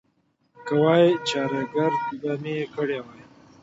که وای، چارېګرد به مې کړی وای.